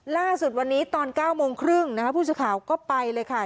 ล่าสุดวันนี้ตอน๙โมงครึ่งนะคะผู้สื่อข่าวก็ไปเลยค่ะ